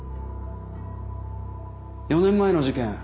４年前の事件